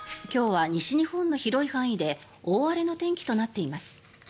今日は西日本の広い範囲で大荒れの天気となっています。